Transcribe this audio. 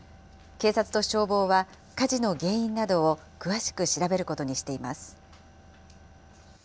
警察と消防は火事の原因などを詳しく調べることにしています。